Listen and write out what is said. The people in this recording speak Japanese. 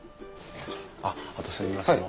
あっあとすいません